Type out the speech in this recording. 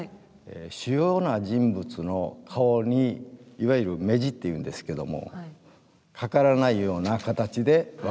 主要な人物の顔にいわゆる目地っていうんですけどもかからないような形で分けております。